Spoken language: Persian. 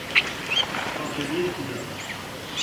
حافظهی پویا